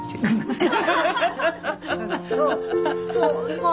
そう。